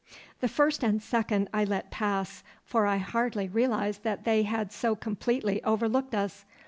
The first and second I let pass, for I hardly realised that they so completely overlooked us.